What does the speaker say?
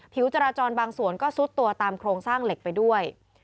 ผิวจราจรบางส่วนก็ซุดตัวตามโครงสร้างเหล็กไปด้วย